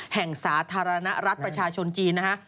สาธารณรัฐประชาชนจีนนะฮะ